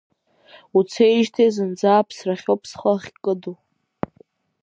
Уцеижьҭеи зынӡа аԥсрахьоуп схы ахькыду.